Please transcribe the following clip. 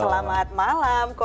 selamat malam ko